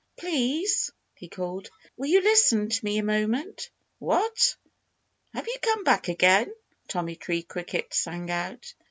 "Please!" he called. "Will you listen to me a moment?" "What! Have you come back again?" Tommy Tree Cricket sang out.